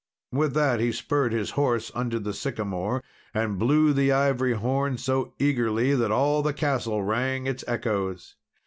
With that he spurred his horse unto the sycamore, and blew the ivory horn so eagerly, that all the castle rang its echoes.